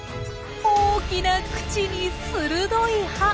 大きな口に鋭い歯。